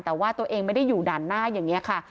แต่ว่าตัวเองไม่ได้อยู่ด่านหน้าอย่างนี้ค่ะ